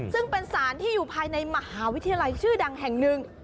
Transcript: ซึ่งเป็นสารที่อยู่ภายในมหาวิทยาลัยชื่อดังแห่งหนึ่ง